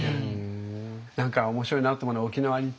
何か面白いなと思うのは沖縄に行ってね